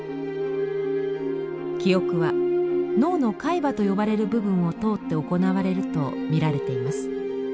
記憶は脳の海馬と呼ばれる部分を通って行われると見られています。